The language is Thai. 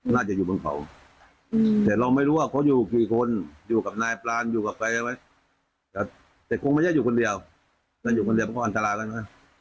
มันจะไปอีกซ้ำแน่งหนึ่ง